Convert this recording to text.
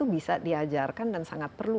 bisa diajarkan dan sangat perlu